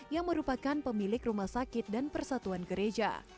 yang merupakan pemilik rumah sakit dan persatuan gereja